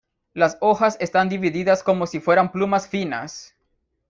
Las hojas están divididas como si fueran plumas finas.